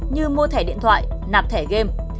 như mua thẻ điện thoại nạp thẻ game